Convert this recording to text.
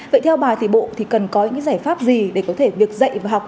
vậy theo bà thì bộ thì cần có những giải pháp gì để có thể việc dạy và học